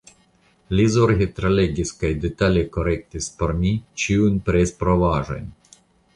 Li zorge tralegis kaj detale korektis por mi ĉiujn presprovaĵojn.